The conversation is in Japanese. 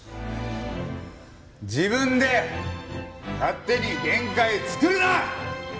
自分で勝手に限界作るな！